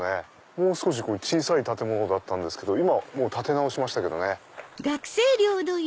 もう少し小さい建物だった今もう建て直しましたけどね。